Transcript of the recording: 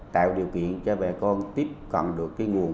tạo điều kiện cho bà con tiếp cận được cái nguồn